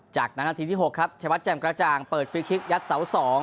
จากนั้นนาทีที่๖ครับชัยวัดแจ่มกระจ่างเปิดฟรีคลิกยัดเสา๒